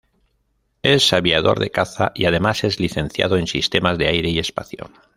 Es aviador de caza y además es licenciado en Sistemas de Aire y Espacio.